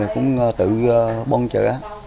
cũng tự bong chở